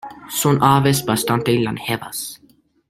Son aves bastante longevas.